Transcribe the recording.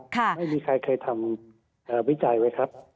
ไม่มีใครเคยทำวิจัยไว้ครับ